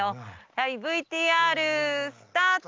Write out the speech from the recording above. はいＶＴＲスタート。